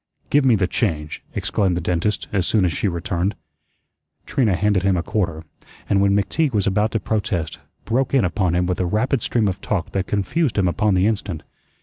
"Give me the change," exclaimed the dentist as soon as she returned. Trina handed him a quarter; and when McTeague was about to protest, broke in upon him with a rapid stream of talk that confused him upon the instant.